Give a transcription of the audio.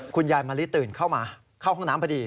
คุณยายมะลิตื่นเข้ามาเข้าห้องน้ำพอดี